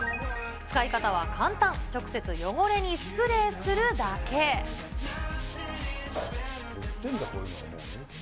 使い方は簡単、直接汚れにスプレーするだけ。え？